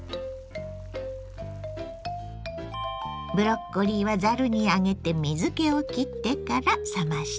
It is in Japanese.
ブロッコリーはざるに上げて水けをきってから冷ましてね。